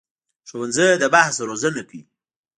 ښوونځی د بحث روزنه کوي